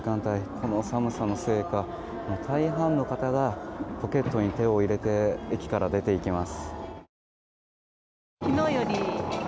この寒さのせいか大半の方がポケットに手を入れて駅から出て行きます。